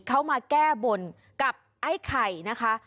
เขามาแก้บนกับไอ้ไข่นะคะ